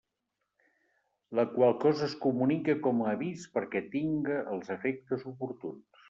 La qual cosa es comunica com a avis perquè tinga els efectes oportuns.